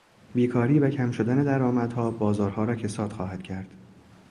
بیکاری و کم شدن درآمدها بازارها را کساد خواهد کرد.